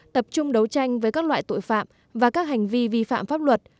tập trung đấu tranh với các loại tội phạm và các hành vi vi phạm pháp luật